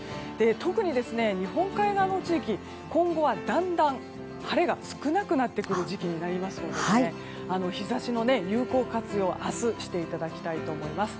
特に日本海側の地域、今後はだんだん、晴れが少なくなってくる時期になりますので日差しの有効活用を、明日していただきたいと思います。